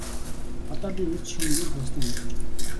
Одоо би урьд шөнө юу болсныг ойлгож байна.